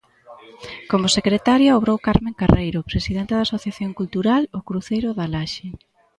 Como secretaria obrou Carmen Carreiro, presidenta da Asociación Cultural O Cruceiro da Laxe.